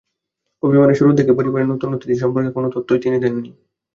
অভিমানে শুরুর দিকে পরিবারের নতুন অতিথি সম্পর্কে কোনো তথ্যই তিনি দেননি।